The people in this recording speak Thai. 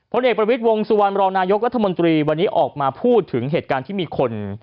เอกประวิทย์วงสุวรรณรองนายกรัฐมนตรีวันนี้ออกมาพูดถึงเหตุการณ์ที่มีคน